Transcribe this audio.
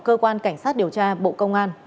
cơ quan cảnh sát điều tra bộ công an